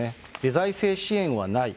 財政支援はない。